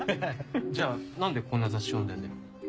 じゃあ何でこんな雑誌読んでんだよ。